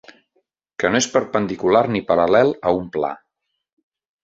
Que no és perpendicular ni paral·lel a un pla.